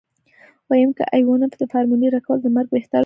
ويم که ايوانوف د فارمولې راکولو نه مرګ بهتر وګڼي.